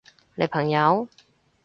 你朋友？